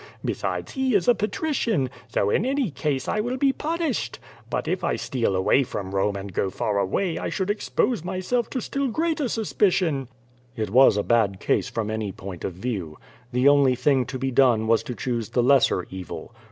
Besides, he is a patrician, so in any case I will be pun ished. But if I steal away from Rome and go far away I should expose myself to still greater suspicion'* It was a bad case from any point of view. The only thing to be done was to choose the lesser evil.